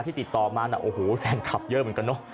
ติดต่อมานะโอ้โหแฟนคลับเยอะเหมือนกันเนอะ